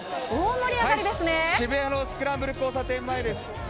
渋谷のスクランブル交差点前です。